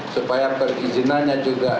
supaya perizinannya juga